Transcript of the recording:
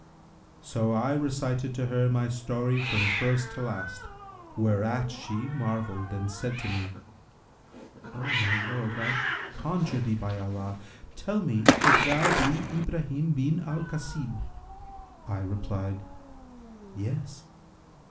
So I recited to her my story from first to last, whereat she marvelled and said to me, 'O my lord, I conjure thee by Allah, tell me if thou be Ibrahim bin al Khasib?' I replied, 'Yes!'